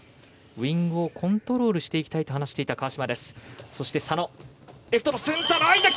ウイングをコントロールしていきたいと話していた川嶋。